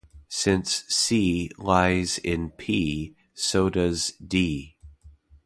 Since "C" lies in "P", so does "D".